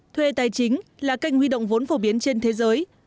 thuê tài chính là kênh huy động vốn phổ biến trên thế giới